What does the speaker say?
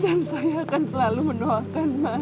dan saya akan selalu menolongkan mas